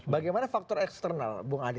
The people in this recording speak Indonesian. bagaimana faktor eksternal bung adi